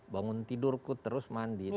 bangun tidurku terus mandi